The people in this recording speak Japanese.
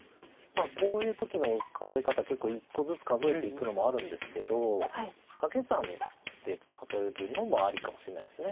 こういう時の数え方１個ずつ数えていくのもあるんですけど掛け算で数えるのもありかもしれないです。